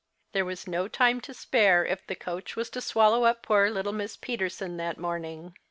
There was no time to spare, if the coach was to swallow up poor little Miss Peterson that morning.